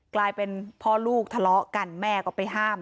กลายเป็นพ่อลูกทะเลาะกันแม่ก็ไปห้าม